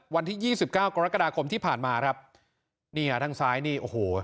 วันที่ยี่สิบเก้ากรกฎาคมที่ผ่านมาครับนี่ฮะทางซ้ายนี่โอ้โห